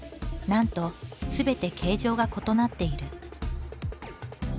なんとすべて形状が異なっている。